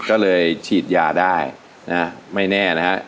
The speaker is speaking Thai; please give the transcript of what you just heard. ก็เลยฉีดยาได้นะไม่แน่นะฮะ